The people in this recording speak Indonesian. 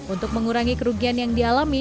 untuk mengurangi kerugian yang dialami